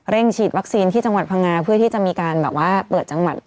ฉีดวัคซีนที่จังหวัดพังงาเพื่อที่จะมีการแบบว่าเปิดจังหวัด